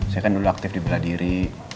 saya kan dulu aktif di bela diri